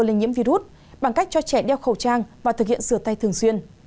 lây nhiễm virus bằng cách cho trẻ đeo khẩu trang và thực hiện rửa tay thường xuyên